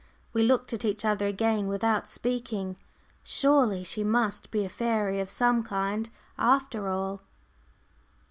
We looked at each other again without speaking. Surely she must be a fairy of some kind, after all!